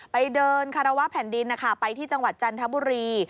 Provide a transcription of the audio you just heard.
ไปเดินคารวะแผ่นดินนะคะไปที่จังหวัดจันทบุรี